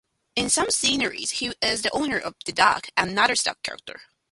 In some scenarios, he is the owner of The Dog, another stock character.